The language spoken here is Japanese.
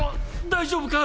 大丈夫か？